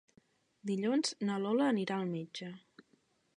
Dilluns na Lola anirà al metge.